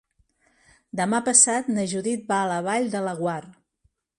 Demà passat na Judit va a la Vall de Laguar.